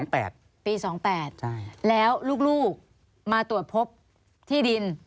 ๒๘ปี๒๘แล้วลูกมาตรวจพบต้ี่ดิน